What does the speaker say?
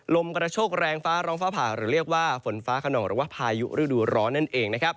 ลมกระโชกแรงฟ้าร้องฟ้าผ่าหรือเรียกว่าฝนฟ้าขนองหรือว่าพายุฤดูร้อนนั่นเองนะครับ